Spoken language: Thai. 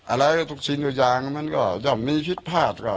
อะไรตกชื่นอยู่ยางมันก็จะมีผิดผลภาพสิละ